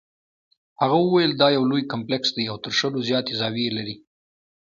هغه وویل دا یو لوی کمپلیکس دی او تر شلو زیاتې زاویې لري.